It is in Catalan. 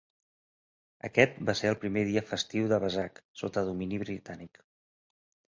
Aquest va ser el primer dia festiu de Vesak sota domini britànic.